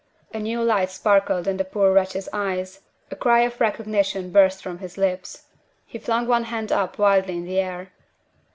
A new light sparkled in the poor wretch's eyes; a cry of recognition burst from his lips. He flung one hand up wildly in the air.